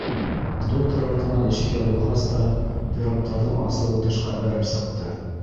Доктор артынан ишек ябылғас та, пираттарҙың асыуы тышҡа бәреп сыҡты.